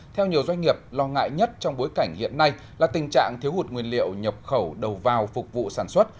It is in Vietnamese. theo nhiều doanh nghiệp lo ngại nhất trong bối cảnh hiện nay là tình trạng thiếu hụt nguyên liệu nhập khẩu đầu vào phục vụ sản xuất